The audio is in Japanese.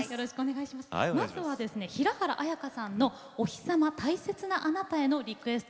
まずは平原綾香さんの「おひさま大切なあなたへ」のリクエスト。